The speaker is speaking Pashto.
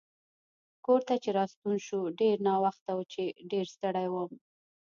کور ته چې راستون شوم ډېر ناوخته و چې ډېر ستړی وم.